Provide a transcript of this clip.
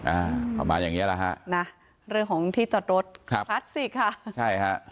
อาหัสค่ะค่ะประมาณอย่างเงี้ยล่ะครับนะ